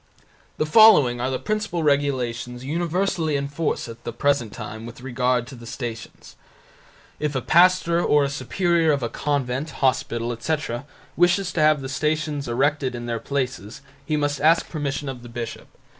The following are the principal regulations universally in force at the present time with regard to the Stations: If a pastor or a superior of a convent, hospital, etc., wishes to have the Stations erected in their places he must ask permission of the bishop.